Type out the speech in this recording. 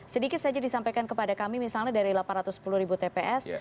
sedikit saja disampaikan kepada kami misalnya dari delapan ratus sepuluh ribu tps